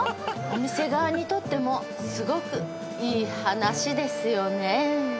お店側にとってもすごくいい話ですよね？